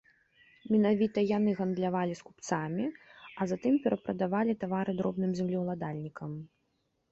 Менавіта яны гандлявалі з купцамі, а затым перапрадавалі тавары дробным землеўладальнікам.